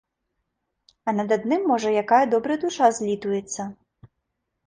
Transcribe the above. А над адным можа якая добрая душа злітуецца.